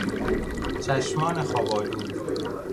چشمان خوابآلود